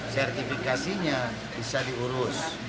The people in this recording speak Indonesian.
sertifikasinya bisa diurus